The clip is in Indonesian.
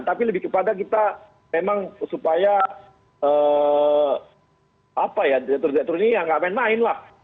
tapi lebih kepada kita memang supaya apa ya detur detur ini ya enggak main main lah